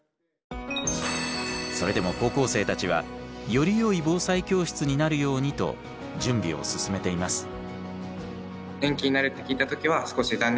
それでも高校生たちはよりよい防災教室になるようにと準備を進めています。